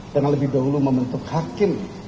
dengan lebih dahulu membentuk hakim